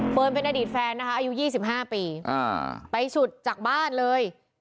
เป็นอดีตแฟนนะคะอายุ๒๕ปีไปฉุดจากบ้านเลย